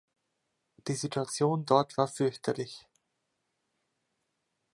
Die Situation dort war fürchterlich!